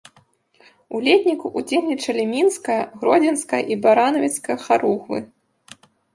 У летніку ўдзельнічалі мінская, гродзенская і баранавіцкая харугвы.